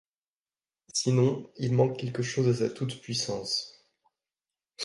Sinon, il manque quelque chose à sa toute-puissance.